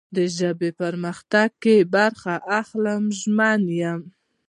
د ژبې په پرمختګ کې برخه اخلم. زه ژمن یم